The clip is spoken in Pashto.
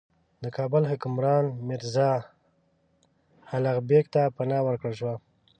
د کابل حکمران میرزا الغ بېګ ته پناه ورکړل شوه.